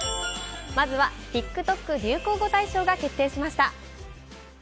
まずは、ＴｉｋＴｏｋ流行語大賞が決定しました。